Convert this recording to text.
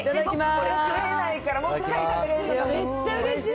これ、買えないから、また食べれるのめっちゃうれしい。